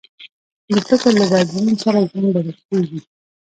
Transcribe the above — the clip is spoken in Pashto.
د فکر له بدلون سره ژوند بدل کېږي.